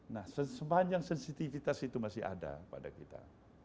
nah sepanjang sensitivitas itu masih ada pada kita